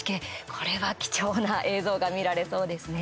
これは貴重な映像が見られそうですね。